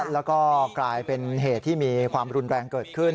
แล้วก็กลายเป็นเหตุที่มีความรุนแรงเกิดขึ้น